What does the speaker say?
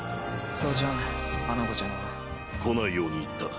そーちゃん花子ちゃんは？来ないように言った。